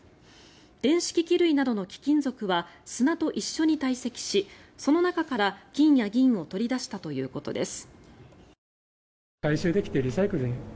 電子機器類などの貴金属は砂と一緒にたい積しその中から金や銀を取り出したということです。